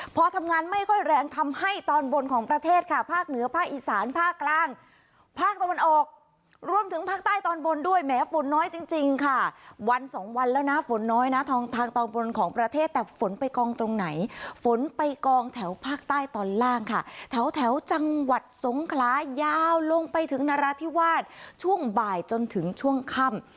พอทำงานไม่ค่อยแรงทำให้ตอนบนของประเทศค่ะภาคเหนือภาคอีสานภาคกลางภาคตะวันออกรวมถึงภาคใต้ตอนบนด้วยแม้ฝนน้อยจริงค่ะวันสองวันแล้วนะฝนน้อยนะทองทางตอนบนของประเทศแต่ฝนไปกองตรงไหนฝนไปกองแถวภาคใต้ตอนล่างค่ะแถวจังหวัดสงคลายาวลงไปถึงนราธิวาสช่วงบ่ายจนถึงช่วงค่ำ